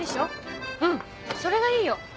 うんそれがいいよ